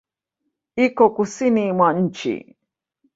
Iko Kusini mwa nchi.